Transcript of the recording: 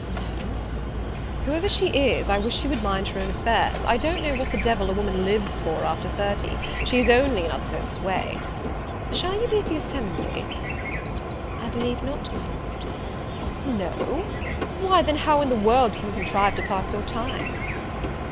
"No." "Whoever she is, I wish she would mind her own affairs: I don't know what the devil a woman lives for after thirty: she is only in other folk's way. Shall you be at the assembly?" "I believe not, my Lord." "No! why then, how in the world can you contrive to pass your time?"